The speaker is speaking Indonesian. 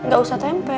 gak usah tempe